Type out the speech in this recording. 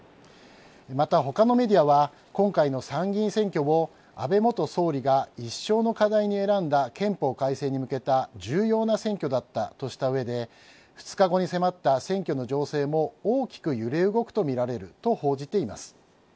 また他のメディアは今回の参議院選挙を安倍元総理が一生の課題に選んだ憲法改正に向けた重要な選挙だったとした上で２日後に迫った選挙の情勢も大きく揺れ動くとみられると報じています。